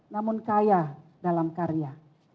namun kaya dalam karya